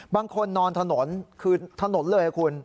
บางคนนอนถนนคือถนนเลยนะคุณ